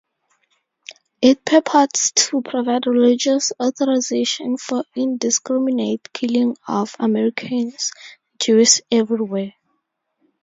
It purports to provide religious authorization for indiscriminate killing of Americans and Jews everywhere.